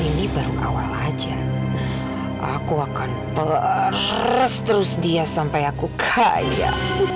ini baru awal aja aku akan terus terus dia sampai aku kaya